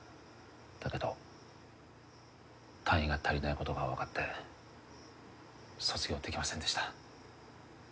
だけど、単位が足りないことが分かって、卒業できませんでした。